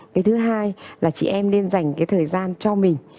cái thứ hai là chị em nên dành cái thời gian cho mình